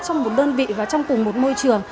trong một đơn vị và trong cùng một môi trường